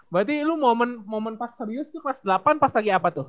berarti lu momen pas serius tuh kelas delapan pas lagi apa tuh